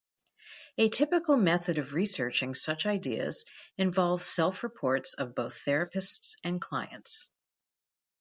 A typical method of researching such ideas involves self-reports of both therapists and clients.